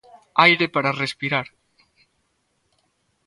Aire para respirar.